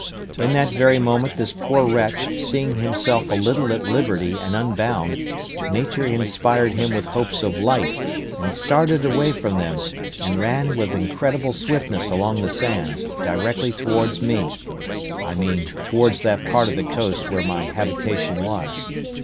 In that very moment this poor wretch, seeing himself a little at liberty and unbound, Nature inspired him with hopes of life, and he started away from them, and ran with incredible swiftness along the sands, directly towards me; I mean towards that part of the coast where my habitation was.